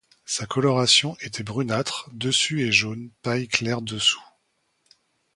Sa coloration était brunâtre dessus et jaune paille clair dessous.